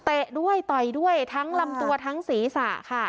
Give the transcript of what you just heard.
ด้วยต่อยด้วยทั้งลำตัวทั้งศีรษะค่ะ